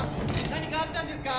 何かあったんですか！？